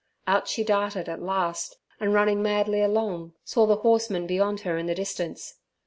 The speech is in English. Out she darted at last, and running madly along, saw the horseman beyond her in the distance.